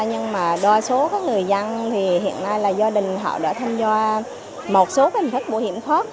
nhưng mà đo số các người dân thì hiện nay là do đình họ đã tham gia một số thành thức bảo hiểm khó